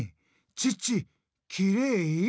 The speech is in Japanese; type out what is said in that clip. チッチきれい？